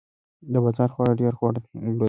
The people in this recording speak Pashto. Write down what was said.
د بازار خواړه ډیر غوړ لري.